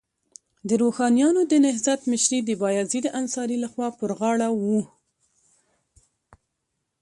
د روښانیانو د نهضت مشري د بایزید انصاري لخوا پر غاړه وه.